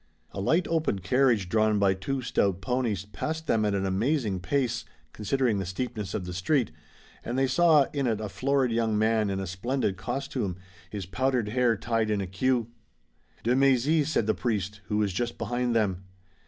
A light open carriage drawn by two stout ponies passed them at an amazing pace considering the steepness of the street, and they saw in it a florid young man in a splendid costume, his powdered hair tied in a queue. "De Mézy," said the priest, who was just behind them.